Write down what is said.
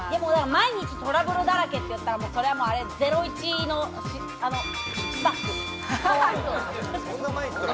毎日トラブルだらけって言ったら、『ゼロイチ』のスタッフ。